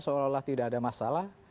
seolah olah tidak ada masalah